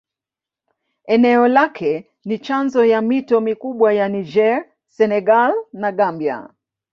Eneo lake ni chanzo ya mito mikubwa ya Niger, Senegal na Gambia.